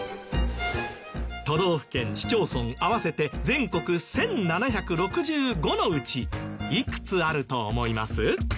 都道府県市町村合わせて全国１７６５のうちいくつあると思います？